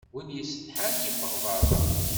Win yessetḥan yeffeɣ berra.